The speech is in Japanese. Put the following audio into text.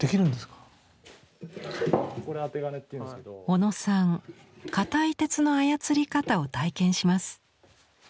小野さん硬い鉄の操り方を体験します。